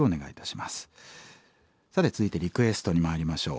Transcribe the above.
さて続いてリクエストにまいりましょう。